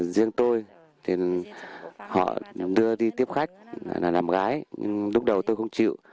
riêng tôi thì họ đưa đi tiếp khách là làm gái nhưng lúc đầu tôi không chịu